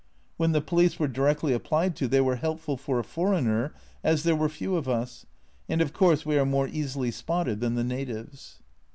When the police were directly applied to they were helpful for a foreigner, as there were few of us, and of course we are more easily spotted than the natives.